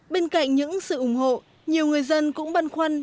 bên cạnh những sự ủng hộ nhiều người dân cũng băn khoăn